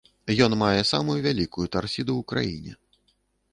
Ён мае самую вялікую тарсіду ў краіне.